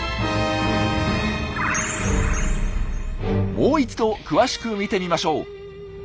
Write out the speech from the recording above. もう一度詳しく見てみましょう。